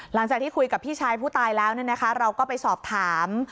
หลังจากที่คุยกับพี่ชายผู้ตายแล้วเราก็ไปสอบถาม